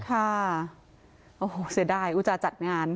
ค่ะโอ้โหเสียดายอุจจาจัดงาน